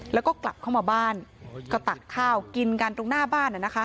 แล้วก็กลับเข้ามาบ้านก็ตักข้าวกินกันตรงหน้าบ้าน